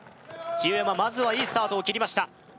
清山まずはいいスタートをきりました